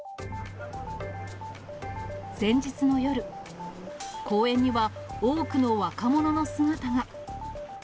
前日の夜、公園には多くの若者の姿が。